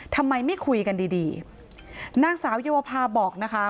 ทำไมไม่คุยกันดีดีนางสาวโยภาบอกนะคะ